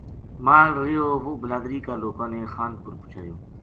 مال رہیو وہ بلادری کا لوکاں نے خان پور پوہچایو